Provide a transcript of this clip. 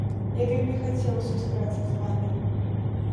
Я вельмі хацеў сустрэцца з вамі.